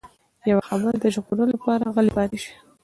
يوه خبره د ژغورلو لپاره غلی پاتې شي.